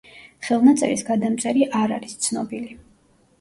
ხელნაწერის გადამწერი არ არის ცნობილი.